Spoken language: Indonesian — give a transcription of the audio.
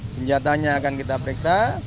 senjatanya akan kita periksa